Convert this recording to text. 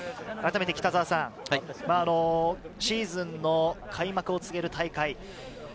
あらためてシーズンの開幕を告げる大会。